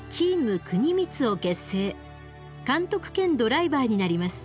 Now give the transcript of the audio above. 監督兼ドライバーになります。